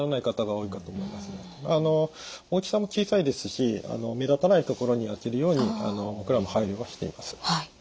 大きさも小さいですし目立たないところにあけるように僕らも配慮はしています。